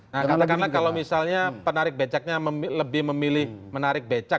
nah katakanlah kalau misalnya penarik becaknya lebih memilih menarik becak